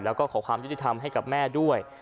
แล้วก็ขอความยุติธรรมให้กับแม่ด้วย